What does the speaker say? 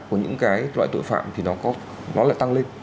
của những cái loại tội phạm thì nó lại tăng lên